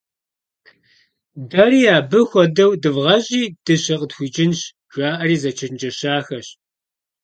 «Дэри абы хуэдэу дывгъащӀи дыщэ къытхуикӀынщ» - жаӀэри зэчэнджэщахэщ.